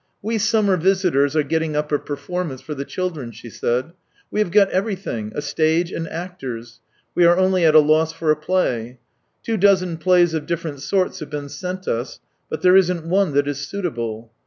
" We summer visitors are getting up a perform ance for the children," she said. " We have got everything — a stage and actors; we are only at a loss for a play. Two dozen plays of different sorts have been sent us, but there isn't one that is suitable.